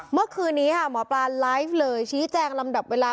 เมื่อคืนนี้ค่ะหมอปลาไลฟ์เลยชี้แจงลำดับเวลา